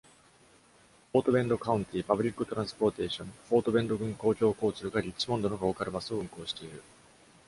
Fort Bend County Public Transportation（ フォートベンド郡公共交通）が、リッチモンドのローカルバスを運行している。